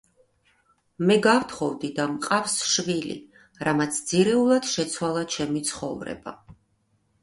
მე გავთხოვდი და მყავს შვილი, რამაც ძირეულად შეცვალა ჩემი ცხოვრება.